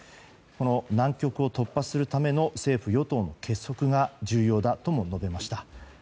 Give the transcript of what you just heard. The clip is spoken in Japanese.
この難局を突破するための政府・与党の結束が重要だとも述べました。